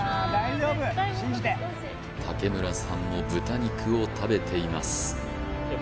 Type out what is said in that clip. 竹村さんも豚肉を食べています